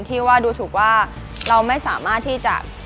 ที่ว่าดูถูกว่าเราไม่สามารถที่จะ